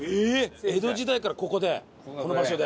江戸時代からここでこの場所で。